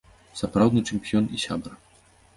Сапраўдны чэмпіён і сябар.